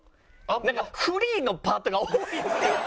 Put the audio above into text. なんかフリーのパートが多い。